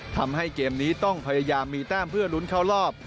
ทำให้เกมนี้ต้องพยายามมีแต้มเพื่อลุ้นเข้ารอบ